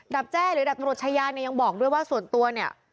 ดับแจ้หรือดับตรวจชายานยังบอกด้วยว่าส่วนตัวเนี่ย